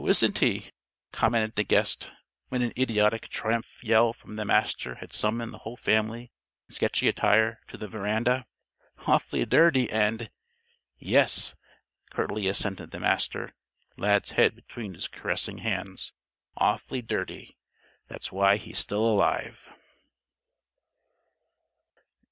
Isn't he?" commented the guest, when an idiotic triumph yell from the Master had summoned the whole family, in sketchy attire, to the veranda. "Awfully dirty and " "Yes," curtly assented the Master, Lad's head between his caressing hands. "'Awfully dirty.' That's why he's still alive."